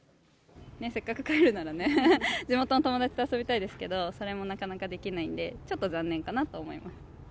せっかく帰るならね、地元の友達と遊びたいですけど、それもなかなかできないんで、ちょっと残念かなと思います。